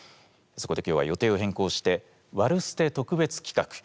そこで今日は予定を変更して「ワルステ」特別企画